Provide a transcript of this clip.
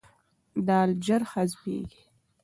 دال ژر هضمیږي.